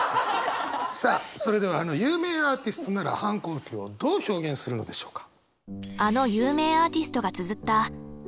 さあそれではあの有名アーティストなら反抗期をどう表現するのでしょうか。